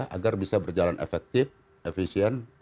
agar bisa berjalan efektif efisien